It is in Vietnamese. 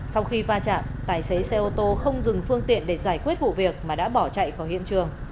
sau khi va chạm tài xế xe ô tô không dừng phương tiện để giải quyết vụ việc mà đã bỏ chạy khỏi hiện trường